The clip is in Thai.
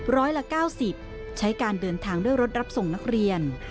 ร้อยละ๙๐ใช้การเดินทางด้วยรถรับส่งนักเรียน